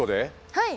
はい！